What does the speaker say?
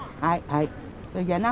はいはい。